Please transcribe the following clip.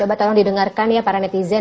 coba tolong didengarkan ya para netizen